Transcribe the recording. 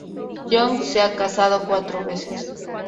Jong se ha casado cuatro veces.